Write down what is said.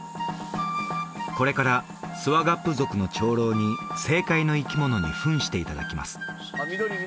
これからスワガップ族の長老に正解の生き物にふんしていただきます